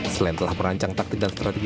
selain telah merancang taktik dan strategi